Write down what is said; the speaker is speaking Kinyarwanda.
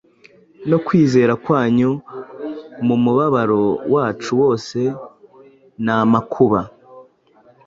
no kwizera kwanyu mu mubabaro wacu wose n’amakuba;